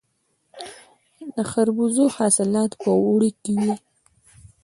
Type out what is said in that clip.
د خربوزو حاصلات په اوړي کې وي.